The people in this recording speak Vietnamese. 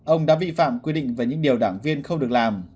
ông đã vi phạm quy định về những điều đảng viên không được làm